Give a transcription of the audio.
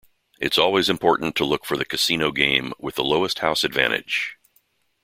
It's always important to look for the casino game with the lowest house advantage.